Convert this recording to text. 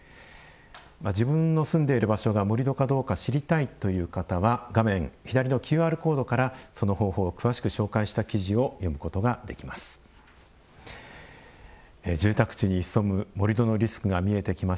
自分の住んでいる場所が盛土かどうか知りたいという方は画面左のＱＲコードからその方法を詳しく紹介した記事を読むことができます。